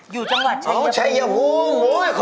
อยู่จังหวัดชายภูมิโอ้โฮชายภูมิโอ้โฮ